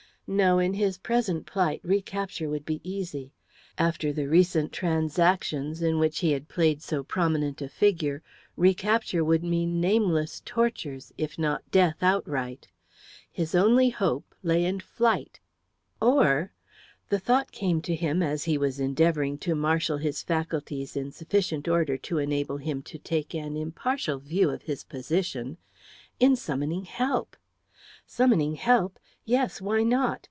No, in his present plight, recapture would be easy. After the recent transactions, in which he had played so prominent a figure, recapture would mean nameless tortures, if not death outright. His only hope lay in flight, or the thought came to him as he was endeavouring to marshal his faculties in sufficient order to enable him to take an impartial view of his position in summoning help. Summoning help? Yes! why not?